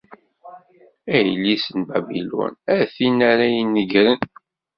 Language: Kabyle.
A yelli-s n Babilun, a tin ara inegren.